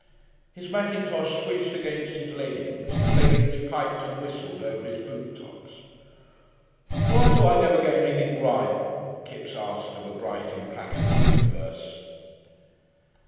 His mackintosh swished against his leggings, his leggings piped and whistled over his boot tops. "Why do I never get anything right?" Kipps asked of a bright implacable universe.